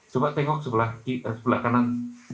coba tengok sebelah kanan